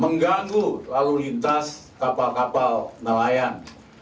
mengganggu lalu lintas kapal kapal nelayan